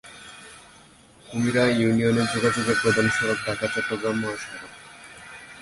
কুমিরা ইউনিয়নে যোগাযোগের প্রধান সড়ক ঢাকা-চট্টগ্রাম মহাসড়ক।